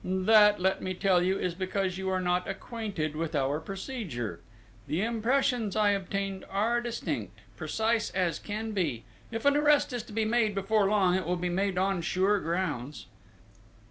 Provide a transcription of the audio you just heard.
That, let me tell you, is because you are not acquainted with our procedure. The impressions I obtained are distinct precise as can be; if an arrest is made before long it will be made on sure grounds."